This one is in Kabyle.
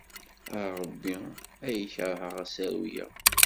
A Rebbi ay kerheɣ asaru-a!